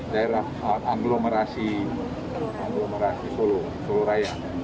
daerah aglomerasi solo raya